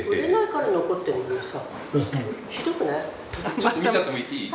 ちょっと見ちゃってもいい？